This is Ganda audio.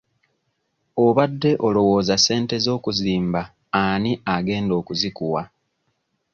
Obadde olowooza ssente z'okuzimba ani agenda okuzikuwa?